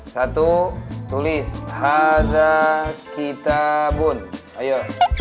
satu tulis haza kita bun ayo